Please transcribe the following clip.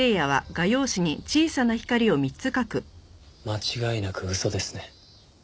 間違いなく嘘ですね。